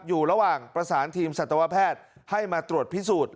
อยู่ระหว่างประสานทีมสัตวแพทย์ให้มาตรวจพิสูจน์